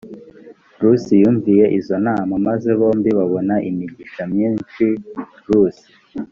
rusi yumviye izo nama maze bombi babona imigisha myinshi rusi